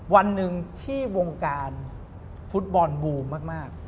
วันหนึ่งที่วงการฟุตบอลบูมมาก